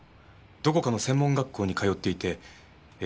どこかの専門学校に通っていてえ